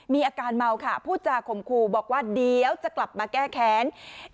มีอาการเมาค่ะพูดจาข่มขู่บอกว่าเดี๋ยวจะกลับมาแก้แค้น